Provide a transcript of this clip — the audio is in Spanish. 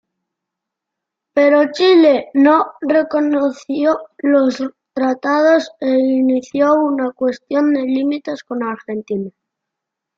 Pero Chile no reconoció los tratados e inició una cuestión de límites con Argentina.